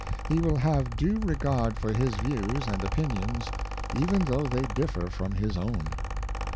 He will have due regards for his views and opinions, even though they differ from his own.